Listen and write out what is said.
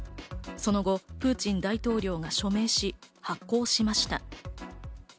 その後、プーチン大統領が署名し、発効しました。